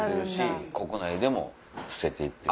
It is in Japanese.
国内でも捨てて行ってる。